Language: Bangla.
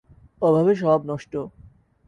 অভাবে স্বভাব নষ্ট।